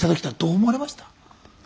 どう思われました？